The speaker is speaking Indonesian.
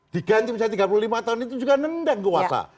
diganti misalnya tiga puluh lima tahun itu juga nendang kuasa